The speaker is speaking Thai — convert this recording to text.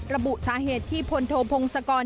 ระบุสาเหตุที่พลโทพงศกร